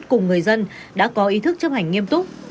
cùng người dân đã có ý thức chấp hành nghiêm túc